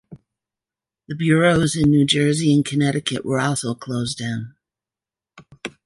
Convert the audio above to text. The bureaus in New Jersey and Connecticut were also closed down.